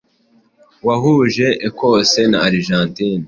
wahuje Ecosse na Argentine